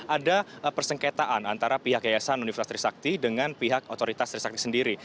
ada persengketaan antara pihak yayasan universitas trisakti dengan pihak otoritas trisakti sendiri